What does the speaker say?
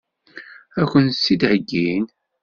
Ad kent-tt-id-heggin?